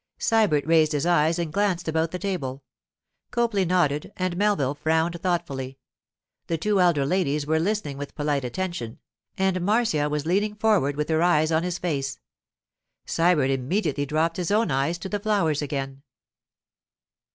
Sybert raised his eyes and glanced about the table. Copley nodded and Melville frowned thoughtfully. The two elder ladies were listening with polite attention, and Marcia was leaning forward with her eyes on his face. Sybert immediately dropped his own eyes to the flowers again.